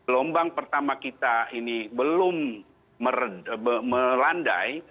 gelombang pertama kita ini belum melandai